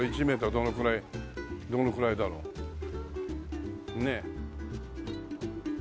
どのくらいどのくらいだろう？ねえ。